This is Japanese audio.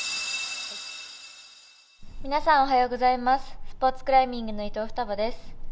皆さん、おはようございますスポーツクライミングの伊藤ふたばです。